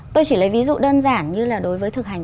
tôi chỉ lấy ví dụ đơn giản như là đối với thực hành